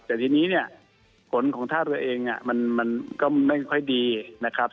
แต่ทีนี้เนี่ยผลของท่าเรือเองมันก็ไม่ค่อยดีนะครับ